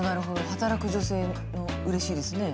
働く女性のうれしいですね。